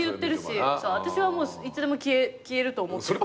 私はもういつでも消えると思ってるから。